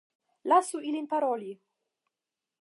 Lasu ilin paroli.